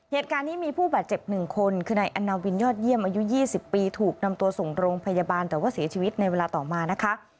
เหตุการณ์นี้มีผู้บาดเจ็บ๑คนคือนายอันนาวินยอดเยี่ยมอายุ๒๐ปีถูกนำตัวส่งโรงพยาบาลแต่ว่าเสียชีวิตในเวลาต่อมานะคะ